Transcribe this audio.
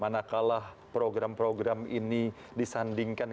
mana kalah program program ini disandingkan